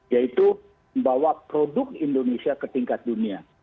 yaitu membawa produk indonesia ke tingkat dunia